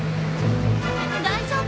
大丈夫？